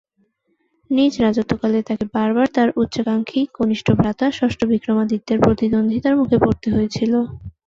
নিজ রাজত্বকালে তাঁকে বারবার তাঁর উচ্চাকাঙ্ক্ষী কনিষ্ঠ ভ্রাতা ষষ্ঠ বিক্রমাদিত্যের প্রতিদ্বন্দ্বিতার মুখে পড়তে হয়েছিল।